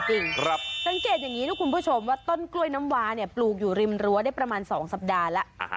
สังเกตอย่างนี้นะคุณผู้ชมว่าต้นกล้วยน้ำวาเนี่ยปลูกอยู่ริมรั้วได้ประมาณ๒สัปดาห์แล้ว